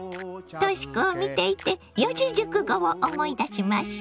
とし子を見ていて四字熟語を思い出しました。